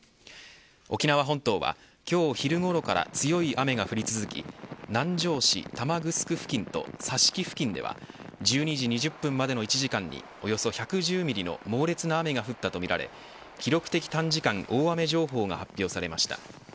沖縄本島は今日昼ごろから強い雨が降り続き南城市玉城付近と佐敷付近では１２時２０分までの１時間におよそ１１０ミリの猛烈な雨が降ったとみられ記録的短時間大雨情報が発表されました。